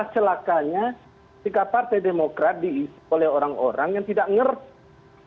celakanya sikap partai demokrat diisi oleh orang orang yang tidak mengerti